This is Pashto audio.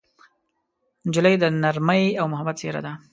نجلۍ د نرمۍ او محبت څېره ده.